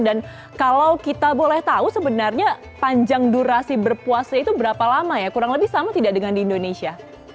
kalau kita boleh tahu sebenarnya panjang durasi berpuasa itu berapa lama ya kurang lebih sama tidak dengan di indonesia